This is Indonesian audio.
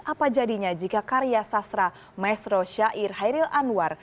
apa jadinya jika karya sastra mesro syair hairil anwar